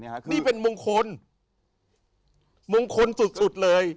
นี่เป็นมงคลมงคลสุดเลย